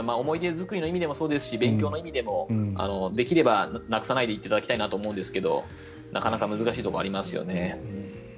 思い出作りの意味でもそうですし勉強の意味でも、できればなくさないでほしいんですがなかなか難しいところがありますよね。